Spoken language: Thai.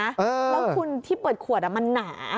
แล้วคุณที่เปิดขวดมันหนา